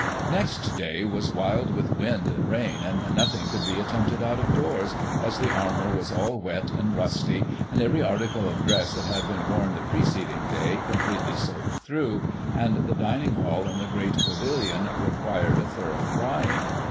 Next day was wild with wind and rain, and nothing could be attempted out of doors, as the armour was all wet and rusty, and every article of dress that had been worn the preceding day completely soaked through, and the Dining Hall and the Great Pavilion required a thorough drying.